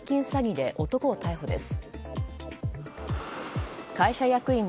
詐欺で男を逮捕です。